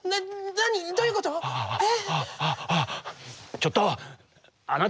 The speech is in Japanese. ちょっと！